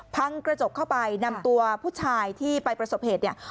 พังกระจกเข้าไปนำตัวผู้ชายที่ไปประสบเหตุเนี่ย